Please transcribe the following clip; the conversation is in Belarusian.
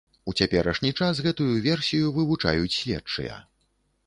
У цяперашні час гэтую версію вывучаюць следчыя.